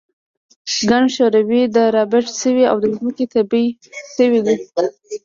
ګڼ شوي را دبره شوي او د ځمکې تبی شوي دي.